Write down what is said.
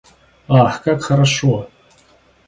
– Ах, как хорошо!